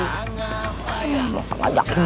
tapi asal lu tahu